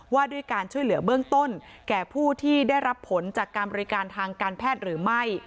ว่าด้วยการช่วยเหลือเบื้องต้นแก่ผู้ที่ได้รับผลจากการบริการทางการแพทย์หรือไม่